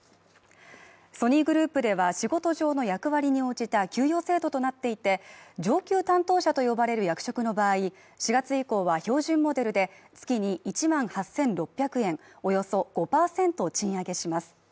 ソニーグループでは、仕事上の役割に応じた給与制度となっていて上級担当者と呼ばれる役職の場合４月以降は標準モデルで月に１万８６００円、およそ５％賃上げします。